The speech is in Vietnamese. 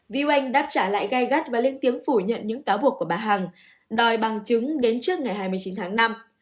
view anh đáp trả lại gai gắt và lên tiếng phủ nhận những cáo buộc của bà hằng đòi bằng chứng đến trước ngày hai mươi chín tháng năm